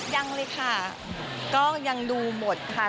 ยังเลยค่ะก็ยังดูหมดค่ะ